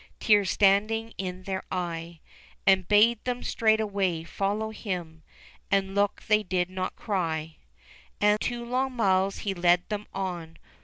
Tears standing in their eye, And bade them straightway follow him, And look they did not cry ; And two long miles he led them on.